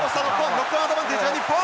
ノックオンアドバンテージは日本！